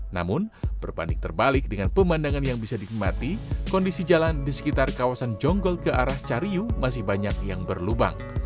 namun berbanding terbalik dengan pemandangan yang bisa dinikmati kondisi jalan di sekitar kawasan jonggol ke arah cariu masih banyak yang berlubang